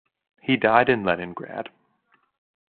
He died in Leningrad.